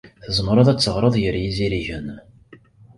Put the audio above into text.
Tzemreḍ ad teɣreḍ gar yizirigen.